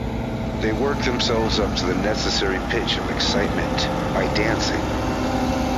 They work themselves up to the necessary pitch of excitement by dancing.